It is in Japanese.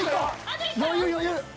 余裕余裕。